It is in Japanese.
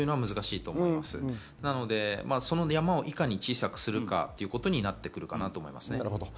その山をいかに小さくするかということになってくるかなと思います。